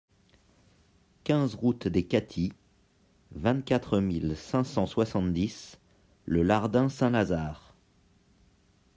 quinze route des Caties, vingt-quatre mille cinq cent soixante-dix Le Lardin-Saint-Lazare